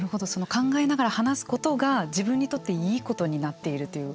考えながら話すことが自分にとっていいことになっているという。